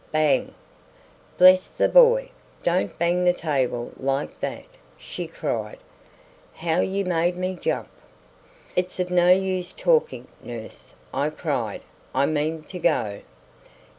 "Bang!" "Bless the boy! don't bang the table like that," she cried. "How you made me jump!" "It's of no use talking, nurse," I cried; "I mean to go."